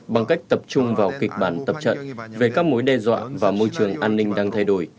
bằng cách tập trung vào kịch bản tập trận về các mối đe dọa và môi trường an ninh đang thay đổi